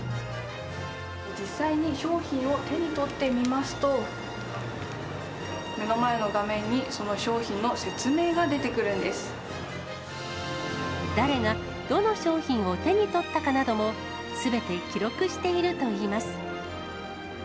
実際に商品を手に取ってみますと、目の前の画面に、その商品誰がどの商品を手に取ったかなども、すべて記録しているといいます。